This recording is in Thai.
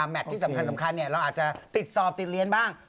ที่สำคัญเราอาจจะติดสอบติดเรียนบ้าง